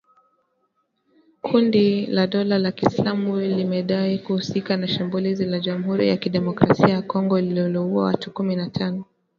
Kundi la dola ya Kiislamu limedai kuhusika na shambulizi la Jamhuri ya kidemokrasia ya Kongo lililouwa watu kumi na tano.